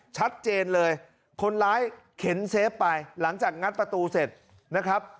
ชัดเจนเลยคนร้ายเข็นเซฟไปหลังจากงัดประตูเสร็จนะครับ